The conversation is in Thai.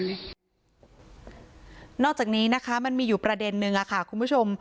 นอกจากนี้นะคะมันมีอยู่ประเด็นนึงค่ะคุณผู้ชม